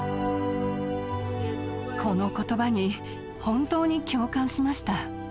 この言葉に本当に共感しました。